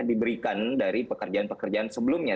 diberikan dari pekerjaan pekerjaan sebelumnya